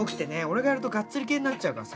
俺がやるとガッツリ系になっちゃうから